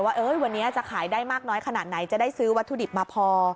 ว่าวันนี้จะขายได้มากน้อยขนาดไหนจะได้ซื้อวัตถุดิบมาพอ